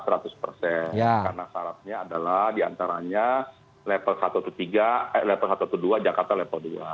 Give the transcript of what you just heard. karena syaratnya adalah di antaranya level satu ke dua jakarta level dua